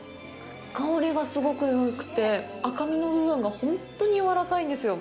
香りがすごくよくて、赤身の部分が本当にやわらかいんですよ。